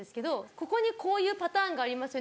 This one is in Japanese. ここにこういうパターンがありますよね。